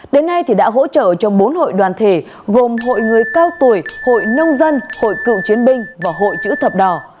đến nay đã hỗ trợ cho bốn hội đoàn thể gồm hội người cao tuổi hội nông dân hội cựu chiến binh và hội chữ thập đỏ